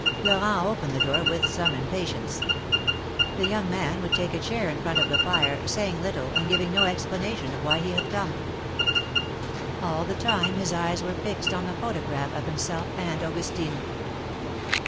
Florent opened the door with some impatience. The young man would take a chair in front of the fire, saying little, and giving no explanation of why he had come. THE MARKETS OF PARIS. 157 All the time his eyes were fixed on the photograph of himself and Augustine.